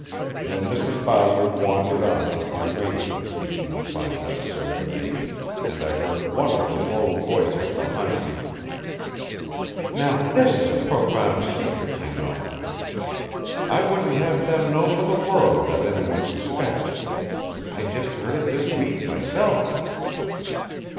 Then Mrs. Bowser wandered on with the arrangements she would find necessary to make, and I heard one of the low voices behind me: "Now this is a profound secret, you know. I wouldn't have them know for the world that any one suspects. I just heard it this week, myself."